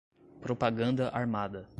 Propaganda Armada